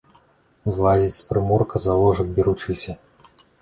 Злазіць з прымурка, за ложак беручыся.